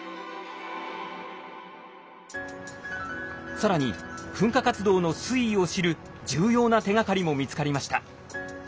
更に噴火活動の推移を知る重要な手がかりも見つかりました。